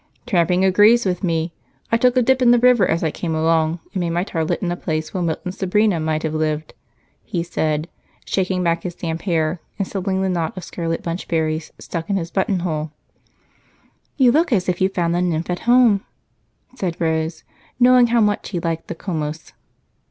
"Tramping agrees with me. I took a dip in the river as I came along and made my toilet in a place where Milton's Sabrina might have lived," he said, shaking back his damp hair and settling the knot of scarlet bunchberries stuck in his buttonhole. "You look as if you found the nymph at home," said Rose, knowing how much he liked the "Comus."